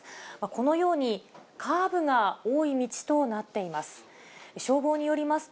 このようにカーブが多い道となっています。